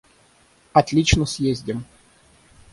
Отлично съездим.